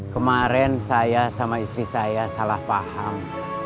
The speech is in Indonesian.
kemarin saya sama istri saya salah paham